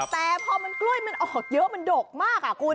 แต่พอมันกล้วยมันออกเยอะมันดกมากคุณ